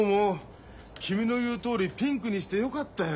君の言うとおりピンクにしてよかったよ。